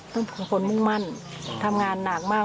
ซึ่งเป็นคนมุ่งมั่นทำงานหนักมาก